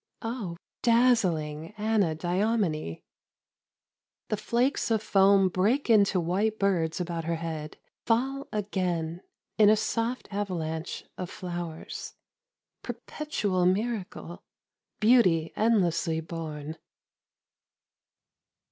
O dazzling Anadyomene ! The flakes of foam break into white birds about her head, fall again in a soft avalanche of flowers. Perpetual miracle, beauty endlessly born.